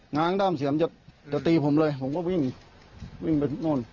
ง้างด้ามเสียมจะตีผมเลยผมก็วิ่งวิ่งไปนู่น